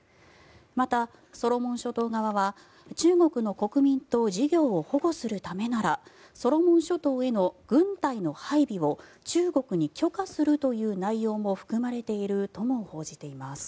また、ソロモン諸島側は中国の国民と事業を保護するためならソロモン諸島への軍隊の配備を中国に許可するという内容も含まれているとも報じています。